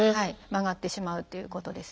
曲がってしまうっていうことですね。